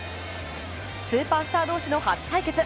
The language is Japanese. スーパースター同士の初対決。